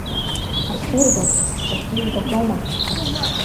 Ассир-бақ зыхьӡу жәбахьоума?